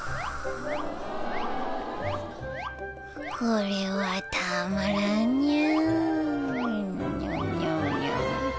これはたまらんニャ。